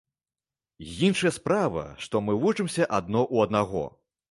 Іншая справа, што мы вучымся адно ў аднаго.